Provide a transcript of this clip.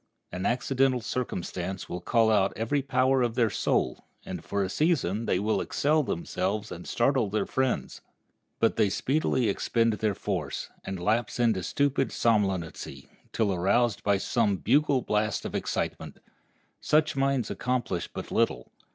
An accidental circumstance will call out every power of their soul, and for a season they will excel themselves and startle their friends. But they speedily expend their force, and lapse into stupid somnolency, till aroused by some bugle blast of excitement. Such minds accomplish but little.